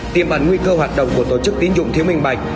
tiêm bản nguy cơ hoạt động của tổ chức tín dụng thiếu minh bạch